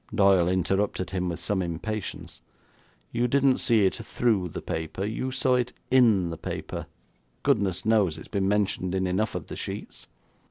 Doyle interrupted him with some impatience. 'You didn't see it through the paper; you saw it in the paper. Goodness knows, it's been mentioned in enough of the sheets.'